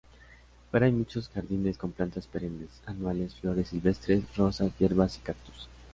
Fuera hay muchos jardines con plantas perennes, anuales, flores silvestres, rosas, hierbas y cactus.